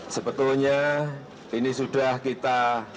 sebetulnya ini sudah kita